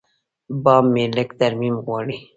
بام مې لږ ترمیم غواړي.